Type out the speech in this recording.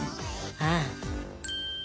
ああ。